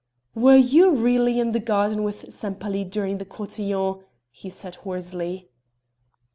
"Were you really in the garden with Sempaly during the cotillon?" he said hoarsely.